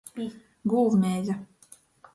Gūvmeiza.